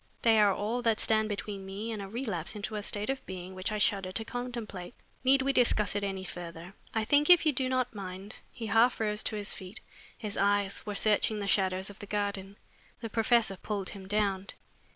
They are all that stand between me and a relapse into a state of being which I shudder to contemplate. Need we discuss it any further? I think, if you do not mind " He half rose to his feet, his eyes were searching the shadows of the garden. The professor pulled him down.